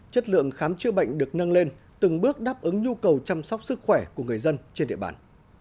chất lượng khám chữa bệnh được nâng lên từng bước đáp ứng nhu cầu chăm sóc sức khỏe của người dân trên địa bàn